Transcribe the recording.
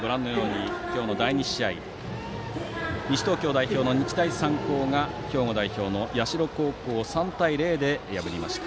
今日の第２試合西東京代表の日大三高が兵庫代表の社高校を３対０で破りました。